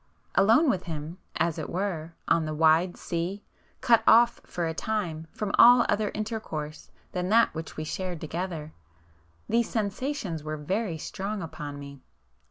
Alone with him, as it were, on the wide sea, cut off for a time from all other intercourse than that which we shared together, these sensations were very strong upon me.